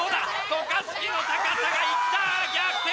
渡嘉敷の高さが。いった！逆転！